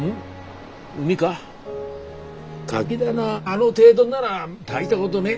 カキ棚あの程度なら大したことねえ。